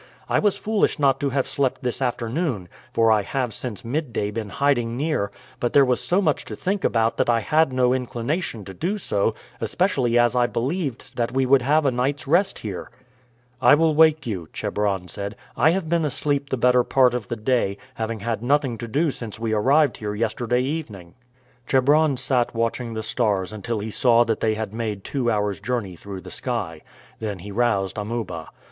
I was foolish not to have slept this afternoon, for I have since midday been hiding near; but there was so much to think about that I had no inclination to do so, especially as I believed that we would have a night's rest here." "I will wake you," Chebron said. "I have been asleep the better part of the day, having had nothing to do since we arrived here yesterday evening." Chebron sat watching the stars until he saw that they had made two hours' journey through the sky. Then he roused Amuba.